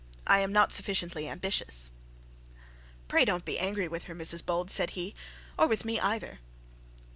I an not sufficiently ambitious.' 'Pray don't be angry with her, Mrs Bold,' said he, 'or with me either.'